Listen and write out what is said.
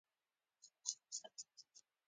دا د توغندي د سافټویر درلودلو په څیر مهم ندی